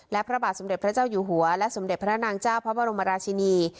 และพระบาทสมเด็จพระเจ้าอยู่หัวและสมเด็จพระนางเจ้าพระบรมราชินี